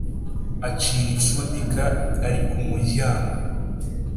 Acira ifudika ali ku muryango.